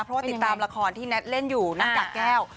เพราะว่าติดตามละครที่แท็ตเล่นอยู่นักกากแก้ว